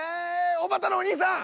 おばたのお兄さん。